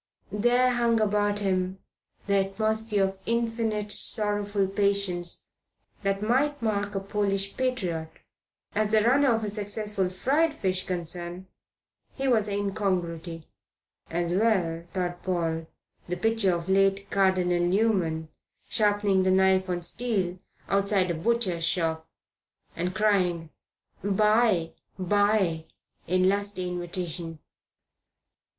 There hung about him the atmosphere of infinite, sorrowful patience that might mark a Polish patriot. As the runner of a successful fried fish concern he was an incongruity. As well, thought Paul, picture the late Cardinal Newman sharpening knife on steel outside a butcher's shop, and crying, "buy, buy," in lusty invitation.